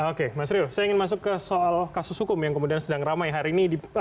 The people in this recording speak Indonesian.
oke mas rio saya ingin masuk ke soal kasus hukum yang kemudian sedang ramai hari ini